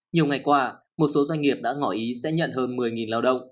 nhiều ngày qua một số doanh nghiệp đã ngỏ ý sẽ nhận hơn một mươi lao động